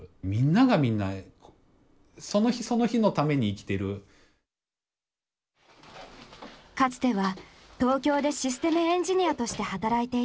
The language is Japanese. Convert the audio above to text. かつては東京でシステムエンジニアとして働いていた松岡さん。